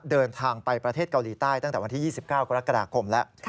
เดินทางไปประเทศเกาหลีใต้ตั้งแต่วันที่๒๙กรกฎาคมแล้ว